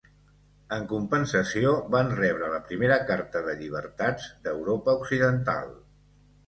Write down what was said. En compensació, van rebre la primera carta de llibertats d'Europa occidental.